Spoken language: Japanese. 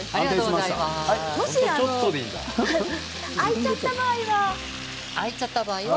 もし浮いちゃった場合は？